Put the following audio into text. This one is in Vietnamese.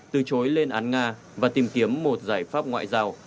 từ chối lên án nga và tìm kiếm một giải pháp ngoại giao